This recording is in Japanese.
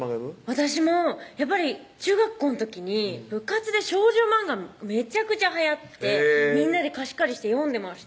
私もやっぱり中学校の時に部活で少女マンガめちゃくちゃはやってみんなで貸し借りして読んでました